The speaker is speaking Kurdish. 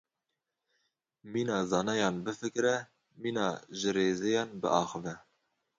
Mîna zanayan bifikire, mîna jirêzêyan biaxive.